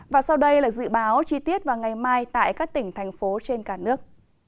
và sau đây là dự báo chi tiết vào ngày mai tại các tỉnh thành phố trên cả nước